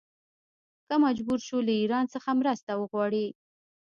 هغه مجبور شو چې له ایران څخه مرسته وغواړي.